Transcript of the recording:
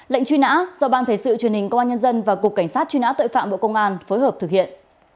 lệnh truy nã do ban thể sự truyền hình công an nhân dân và cục cảnh sát truy nã tội phạm bộ công an phối hợp thực hiện